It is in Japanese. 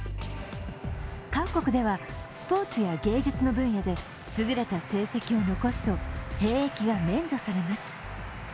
韓国ではスポーツや芸術の分野で優れた成績を残すと兵役が免除されます。